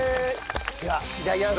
ではいただきます。